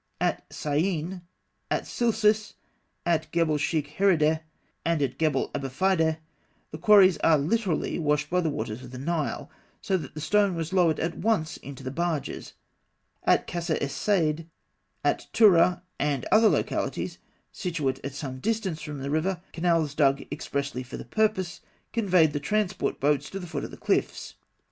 At Syene, at Silsilis, at Gebel Sheikh Herideh, and at Gebel Abûfeydeh, the quarries are literally washed by the waters of the Nile, so that the stone was lowered at once into the barges. At Kasr es Saîd, at Tûrah, and other localities situate at some distance from the river, canals dug expressly for the purpose conveyed the transport boats to the foot of the cliffs.